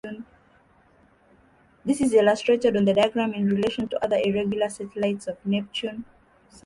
This is illustrated on the diagram in relation to other irregular satellites of Neptune.